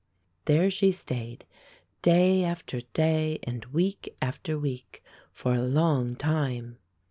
There she stayed day after day and week after week for a long time.